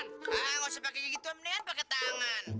nggak usah pakai gigi itu mendingan pakai tangan